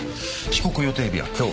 帰国予定日は今日。